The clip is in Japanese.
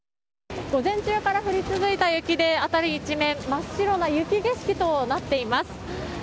午前中から降り続いた雪で辺り一面真っ白な雪景色となっています。